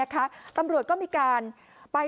กลุ่มตัวเชียงใหม่